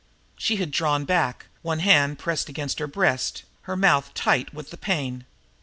She had drawn back, one hand pressed against her breast, her mouth tight with the pain.